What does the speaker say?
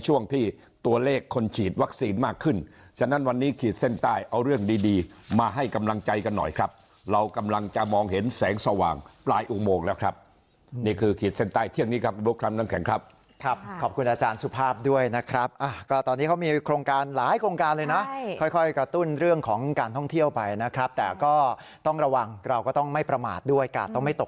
วัคซีนมากขึ้นฉะนั้นวันนี้ขีดเส้นใต้เอาเรื่องดีมาให้กำลังใจกันหน่อยครับเรากำลังจะมองเห็นแสงสว่างปลายอุโมงแล้วครับนี่คือขีดเส้นใต้เที่ยวนี้ครับบุคลัมนังแข็งครับครับขอบคุณอาจารย์สภาพด้วยนะครับก็ตอนนี้เขามีโครงการหลายโครงการเลยนะค่อยกระตุ้นเรื่องของการท่องเที่ยวไปนะครับแต่ก็ต้องระวั